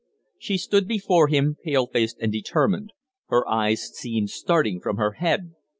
She stood before him, pale faced and determined. Her eyes seemed starting from her head.